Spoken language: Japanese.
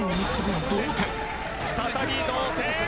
再び同点！